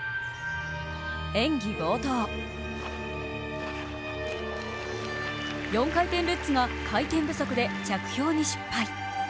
演技冒頭、４回転ルッツが回転不足で着氷に失敗。